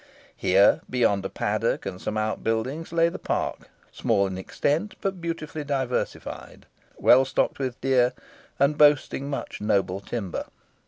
Here, beyond a paddock and some outbuildings, lay the park, small in extent, but beautifully diversified, well stocked with deer, and boasting much noble timber.